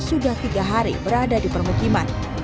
sudah tiga hari berada di permukiman